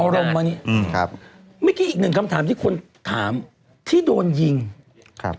เอาลมมานี่ครับไม่มีอีกหนึ่งคำถามที่ควรถามที่โดนยิงครับ